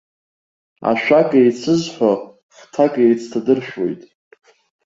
Ашәак еицызҳәо, хҭак еицҭадыршәуеит.